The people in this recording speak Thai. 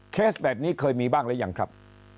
แบบนี้เคยมีบ้างหรือยังครับ